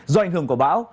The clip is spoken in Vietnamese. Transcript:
do ảnh hưởng của bão